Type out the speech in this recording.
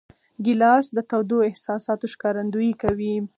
ګیلاس د تودو احساساتو ښکارندویي کوي.